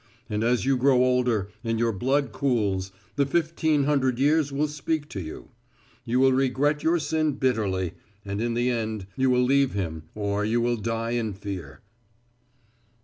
And as you grow older, and your blood cools, the fifteen hundred years will speak to you; you will regret your sin bitterly; and in the end you will leave him or you will die in fear."